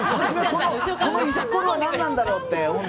この石ころは何なんだろうって